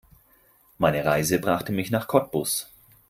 Meine Reise brachte mich nach Cottbus